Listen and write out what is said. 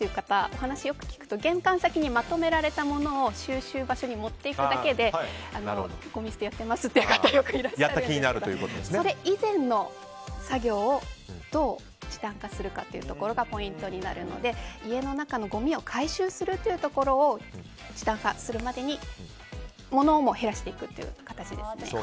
お話をよく聞くと玄関先にまとめられたものを収集場所に持っていくだけでごみ捨てやってますという方よくいらっしゃいますけどもそれ以前の作業をどう時短化するかというところがポイントになるので家の中のごみを回収するというところを時短化するまでにものも減らしていくという形ですね。